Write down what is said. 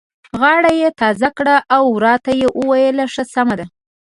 غاړه یې تازه کړه او راته یې وویل: ښه سمه ده.